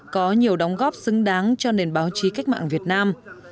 có nhiều đóng góp xứng đáng cho nền báo chí cách mạng việt nam